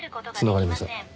繋がりません。